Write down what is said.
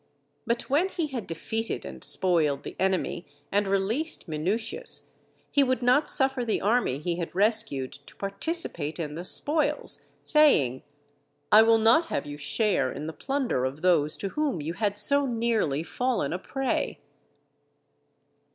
But when he had defeated and spoiled the enemy, and released Minutius, he would not suffer the army he had rescued to participate in the spoils, saying, "_I will not have you share in the plunder of those to whom you had so nearly fallen a prey.